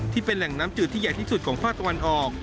ที่เป็นแหล่งน้ำจืดที่ใหญ่ที่สุดของภาคตะวันออก